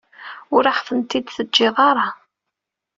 Ur aɣ-tent-id-teǧǧiḍ ara.